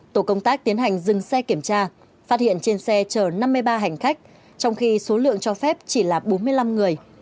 tổ công tác tiến hành dừng xe kiểm tra phát hiện trên xe chở năm mươi ba hành khách trong khi số lượng cho phép chỉ là bốn mươi năm người